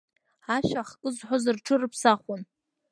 Ашәа ахкы зҳәоз рҽырыԥсахуан.